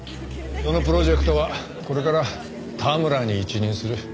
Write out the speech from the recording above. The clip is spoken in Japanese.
そのプロジェクトはこれから田村に一任する。